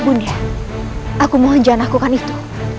bunda aku mohon jangan lakukan itu